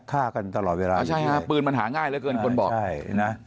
ฆ่ากันตลอดเวลาใช่ฮะปืนมันหาง่ายเหลือเกินคนบอกใช่นะ